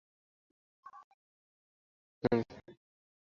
এইরূপ কথা হইতেছে, এমন সময় নীচে প্রসাদ পাইবার ঘণ্টা বাজিল।